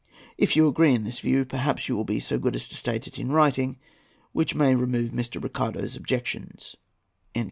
If you agree in this view, perhaps you will be so good as to state it in writing, which may remove Mr. Ricardo's objections."